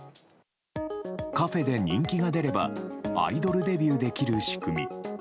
カフェで人気が出ればアイドルデビューできる仕組み。